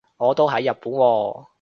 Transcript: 我都喺日本喎